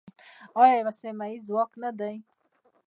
آیا یو سیمه ییز ځواک نه دی؟